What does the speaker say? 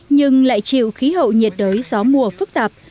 nhưng lại chịu khí hậu nhiệt đới gió mùa phức tạp